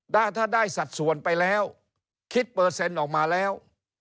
ถ้าได้สัดส่วนไปแล้วคิดเปอร์เซ็นต์ออกมาแล้ว